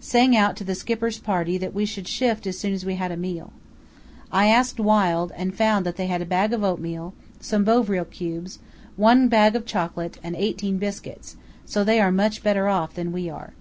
Sang out to the Skipper's party that we should shift as soon as we had a meal. I asked Wild, and found they had a bag of oatmeal, some Bovril cubes, one bag of chocolate, and eighteen biscuits, so they are much better off than we are.